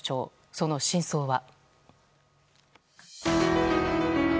その真相は。